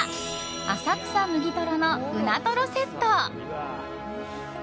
浅草むぎとろのうなとろセット。